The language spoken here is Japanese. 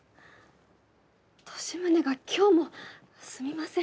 利宗が今日もすみません。